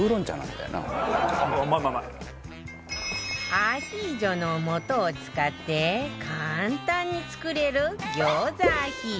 アヒージョの素を使って簡単に作れる餃子アヒージョ